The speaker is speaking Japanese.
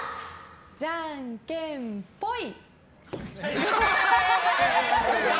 じゃんけんぽい！